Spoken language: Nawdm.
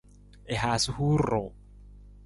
I haasa huur ruu.